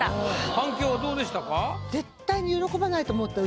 反響はどうでしたか？